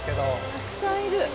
たくさんいる。